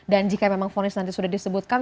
dan jika memang vonis nanti sudah disebutkan